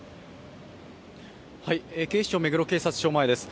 警視庁目黒警察署前です。